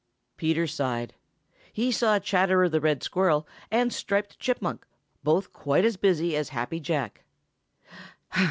Peter sighed. He saw Chatterer the Red Squirrel and Striped Chipmunk both quite as busy as Happy Jack.